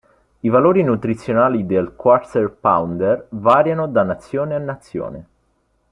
I valori nutrizionali del Quarter Pounder variano da nazione a nazione.